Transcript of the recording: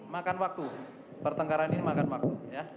makan waktu pertengkaran ini makan waktu